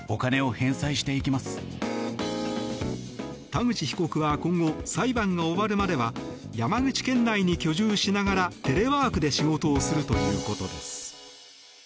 田口被告は今後、裁判が終わるまでは山口県内に居住しながらテレワークで仕事をするということです。